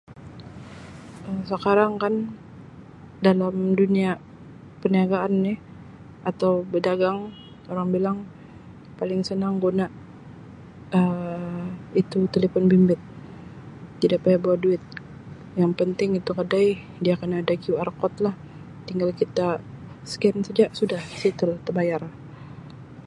"Sekarang kan dalam dunia perniagaan ni atau berdagang orang bilang paling senang guna Um itu telefon bimbit tidak payah bawa duit yang penting itu kedai dia kena ada QR code lah tinggal kita ""scan""saja sudah ""settle"" tebayar."